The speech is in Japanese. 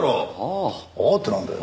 「ああ」ってなんだよ。